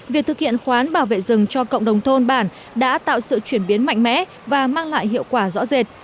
việc thực hiện khoán bảo vệ rừng cho cộng đồng thôn bản đã tạo sự chuyển biến mạnh mẽ và mang lại hiệu quả rõ rệt